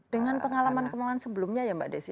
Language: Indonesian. dengan pengalaman pengalaman sebelumnya ya mbak desi